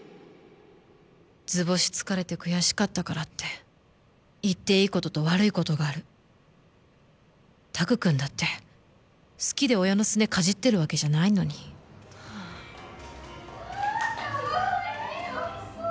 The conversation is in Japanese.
図星つかれて悔しかったからって言っていいことと悪いことがある拓くんだって好きで親のすねかじってるわけじゃないのにはあ・わーっかわいいおいしそう！